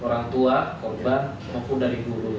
orang tua korban maupun dari guru